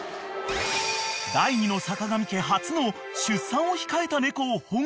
［第２のさかがみ家初の出産を控えた猫を保護］